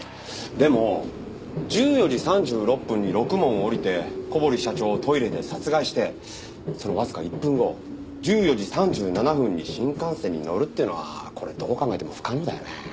でも１４時３６分にろくもんを降りて小堀社長をトイレで殺害してそのわずか１分後１４時３７分に新幹線に乗るっていうのはこれどう考えても不可能だよね。